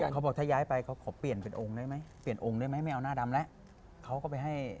เขาบอกเขาย้ายมารวมกัน